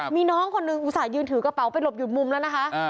มีน้องคนหนึ่งอุตส่าหยืนถือกระเป๋าไปหลบหยุดมุมแล้วนะคะ